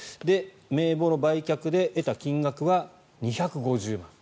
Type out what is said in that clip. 名簿の売却で得た金額は２５０万円。